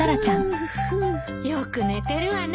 よく寝てるわね。